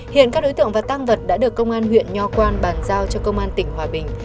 hiện các đối tượng và tăng vật đã được công an huyện nho quan bàn giao cho công an tỉnh hòa bình